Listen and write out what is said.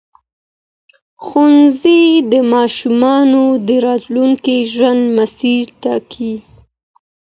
ښوونځی د ماشومانو د راتلونکي ژوند مسیر ټاکي.